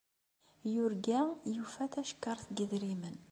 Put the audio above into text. Yurga yufa tacekkaṛt n yidrimen.